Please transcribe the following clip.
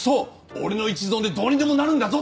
俺の一存でどうにでもなるんだぞって！